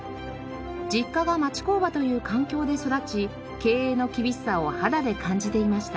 実家が町工場という環境で育ち経営の厳しさを肌で感じていました。